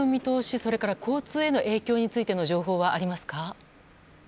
それから交通への影響についての情報はありますか？